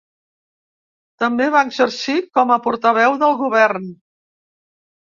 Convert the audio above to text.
També va exercir com a portaveu del govern.